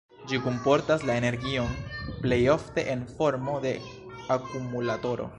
Ĝi kunportas la energion plej ofte en formo de akumulatoro.